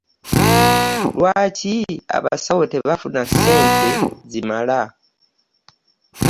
Lwaki abasawo tebafuna ssente zimala?